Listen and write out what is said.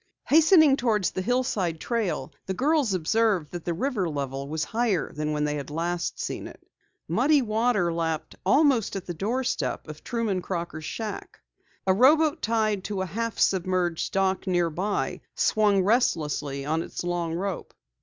Hastening toward the hillside trail, the girls observed that the river level was higher than when last they had seen it. Muddy water lapped almost at the doorstep of Truman Crocker's shack. A rowboat tied to a half submerged dock nearby swung restlessly on its long rope.